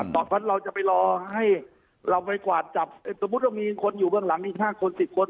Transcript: ตอนนั้นเราจะไปรอให้เราไปกวาดจับสมมุติว่ามีคนอยู่เบื้องหลังอีก๕คน๑๐คน